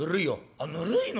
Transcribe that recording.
「あっぬるいの？